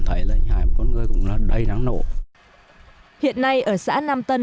thấy là anh hải là một con người đầy nắng nộ hiện nay ở xã nam tân